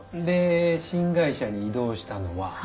で新会社に異動したのは。